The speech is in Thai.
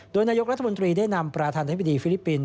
โดยนายกรัฐบุญตรีได้นำประธานภิกษ์ธรรมดีฟิลิปปินส์